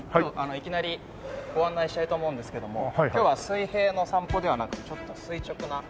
いきなりご案内したいと思うんですけども今日は水平の散歩ではなくちょっと垂直な散歩を。